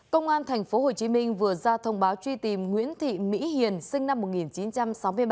công an tp hcm vừa ra thông báo truy tìm nguyễn thị mỹ hiền sinh năm một nghìn chín trăm sáu mươi ba